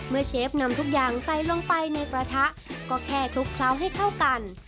เชฟนำทุกอย่างใส่ลงไปในกระทะก็แค่คลุกเคล้าให้เข้ากัน